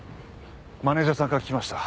マネジャーさんから聞きました。